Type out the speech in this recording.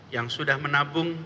yang sudah menabung